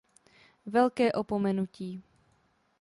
Velké opomenutí.